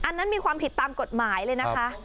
อันนั้นมีความผิดตามกฎหมายเลยนะคะ